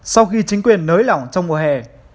sau khi chính quyền nới lỏng trong mùa hè